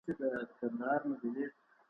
که مو ميرمني بدي ايسي څه بايد وکړئ؟